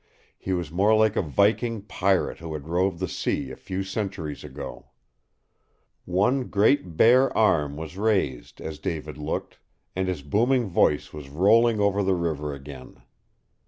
He was more like a viking pirate who had roved the sea a few centuries ago. One great, bare arm was raised as David looked, and his booming voice was rolling over the river again.